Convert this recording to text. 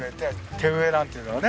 手植えなんてのはね